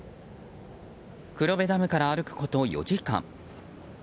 黒部ダムから歩くこと４時間。